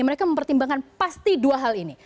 mereka mempertimbangkan pasti dua hal ini